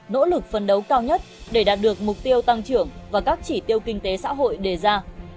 nỗ lực phân đấu cao nhất để đạt được mục tiêu tăng trưởng và các chỉ tiêu kinh tế xã hội đề ra